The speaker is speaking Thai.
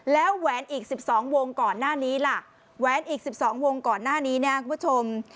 แล้วแวนอีก๑๒วงก่อนหน้านี้คุณผู้ชม